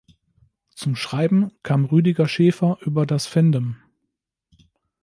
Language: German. Zum Schreiben kam Rüdiger Schäfer über das Fandom.